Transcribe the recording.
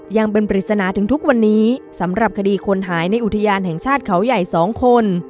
ยังเป็นปริศนาถึงทุกวันนี้สำหรับคดีคนหายในอุทยานแห่งชาติเขาใหญ่๒คน